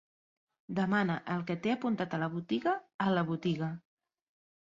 Demana el que t'he apuntat a la botiga a la botiga.